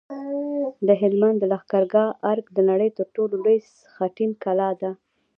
د هلمند د لښکرګاه ارک د نړۍ تر ټولو لوی خټین کلا ده